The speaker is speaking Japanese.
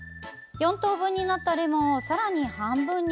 ４等分になったレモンをさらに半分に。